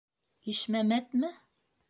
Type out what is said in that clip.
Ишмәмәтме?